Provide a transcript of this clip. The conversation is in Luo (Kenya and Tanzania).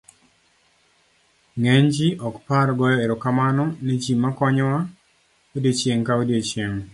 ng'eny ji ok par goyo erokamano ni ji makonyowa odiochieng' ka odiochieng'